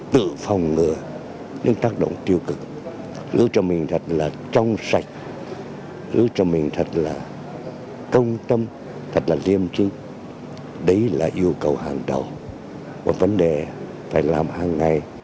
tự phòng ngừa những tác động tiêu cực giữ cho mình thật là trong sạch giữ cho mình thật là công tâm thật là liêm chức đấy là yêu cầu hàng đầu một vấn đề phải làm hàng ngày